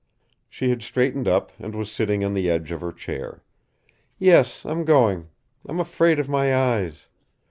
She had straightened up and was sitting on the edge of her chair. "Yes, I'm going. I'm afraid of my eyes.